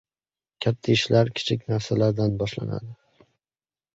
• Katta ishlar kichik narsalardan boshlanadi.